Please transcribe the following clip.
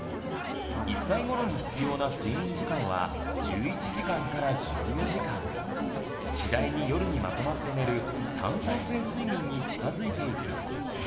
１歳ごろに必要な睡眠時間は１１時間から１４時間次第に夜にまとまって寝る「単相性睡眠」に近づいていきます。